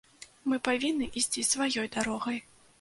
Мы павінны ісці сваёй дарогай.